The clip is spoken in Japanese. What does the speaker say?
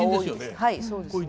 はいそうですね。